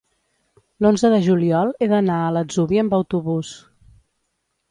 L'onze de juliol he d'anar a l'Atzúbia amb autobús.